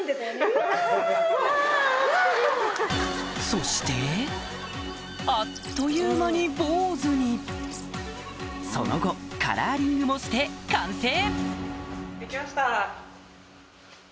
そしてあっという間に坊主にその後カラーリングもして完成！